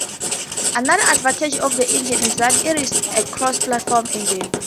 Another advantage of the engine is that it is a cross-platform engine.